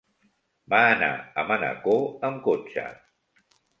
Va anar a Manacor amb cotxe.